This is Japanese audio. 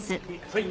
はい。